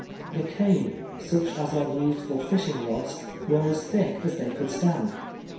Tlie cane, such as are used for fishing rods, were as thick as they could stand.